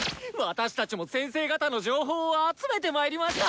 私たちも先生方の情報を集めてまいりました！